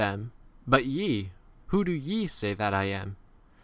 them, But ye, whom do ye say that I am?